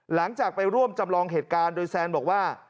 หลังจากไปร่วมจำลองเหตุการณ์โดยแซนบอกว่า